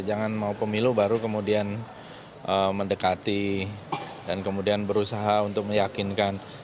jangan mau pemilu baru kemudian mendekati dan kemudian berusaha untuk meyakinkan